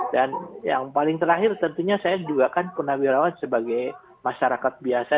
dan yang paling terakhir tentunya saya juga kan penawirawan sebagai masyarakat biasa